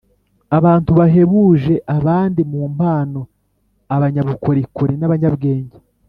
abantu bahebuje abandi mu mpano, abanyabukorikori n’abanyabwenge